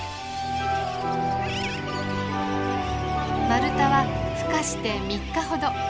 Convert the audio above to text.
マルタはふ化して３日ほど。